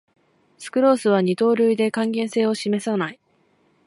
スクロースは二糖類で還元性を示さない